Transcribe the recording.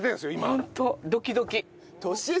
ホントドキドキ。